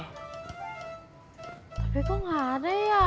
tapi kok nggak ada ya